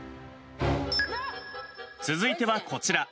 続いてはこちら。